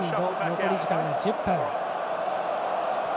残り時間は１０分。